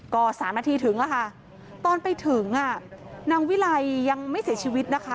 ก็๓นาทีถึงอะค่ะตอนไปถึงนางวิไลยังไม่เสียชีวิตนะคะ